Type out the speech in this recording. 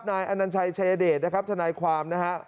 นายอนัญชัยชายเดชนะครับทนายความนะฮะ